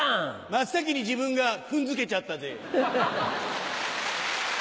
真っ先に自分がフンづけちゃったぜ。